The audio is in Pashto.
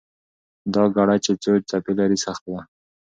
دا ګړه چې څو څپې لري، سخته ده.